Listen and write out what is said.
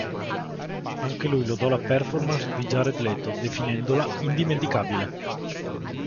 Anche lui lodò la performance di Jared Leto definendola "indimenticabile".